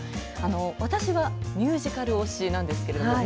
私はミュージカル推しなんですけ